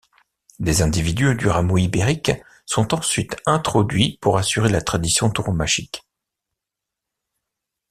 Des individus du rameau ibérique sont ensuite introduits pour assurer la tradition tauromachique.